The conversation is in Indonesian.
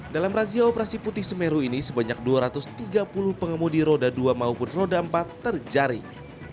dalam razia operasi putih semeru ini sebanyak dua ratus tiga puluh pengemudi roda dua maupun roda empat terjaring